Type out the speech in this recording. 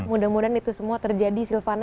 mudah mudahan itu semua terjadi silvana